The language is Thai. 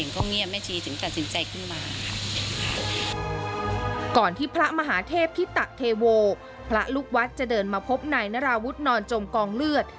ก่อนที่พระมหาเทพธิตะเทโวพระลูกวัดจะเดินมาพบนายนราวุฒินอนจมกองเลือด